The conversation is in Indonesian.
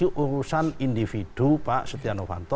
itu urusan individu pak setia novanto